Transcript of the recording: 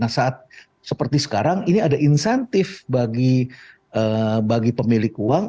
nah saat seperti sekarang ini ada insentif bagi pemilik uang